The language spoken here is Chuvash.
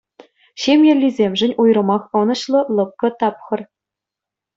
Ҫемьеллисемшӗн уйрӑмах ӑнӑҫлӑ, лӑпкӑ тапхӑр.